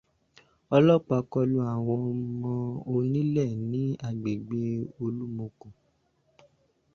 Ọlọ́pàá kọlu àwọn ọmọ onílẹ̀ ní agbègbè Olúmokò.